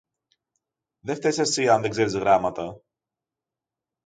Δε φταις εσύ αν δεν ξέρεις γράμματα!